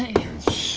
よし。